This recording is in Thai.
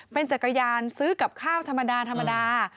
เป็นจักรยานซื้อกับข้าวธรรมดา